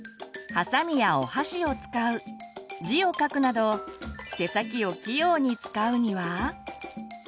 はさみやお箸を使う字を書くなど手先を器用に使うには？